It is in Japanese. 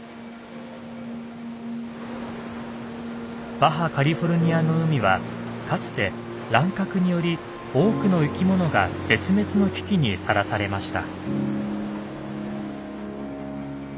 バハ・カリフォルニアの海はかつて乱獲により多くの生きものが絶滅の危機にさらされました。